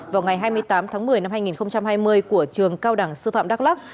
vào ngày hai mươi tám tháng một mươi năm hai nghìn hai mươi của trường cao đẳng sư phạm đắk lắc